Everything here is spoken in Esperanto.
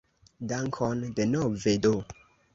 Dankon denove do!